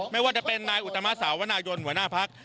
ไม่ว่าจะเป็นนายอุตมะสาวนายนหัวหน้าพัก